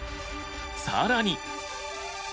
更に。